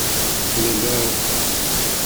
les leurs.